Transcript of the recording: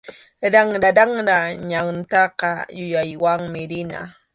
Ranraranra ñantaqa yuyaywanmi rina.